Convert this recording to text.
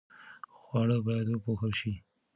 خواړه باید وپوښل شي.